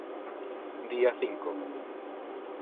Día cinco.